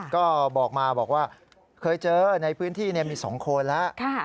ก็บอกมาบอกว่าเคยเจอในพื้นที่มี๒คนแล้ว